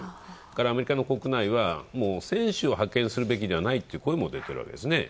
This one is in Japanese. アメリカの国内は選手を派遣すべきではないと声も出てるわけですね。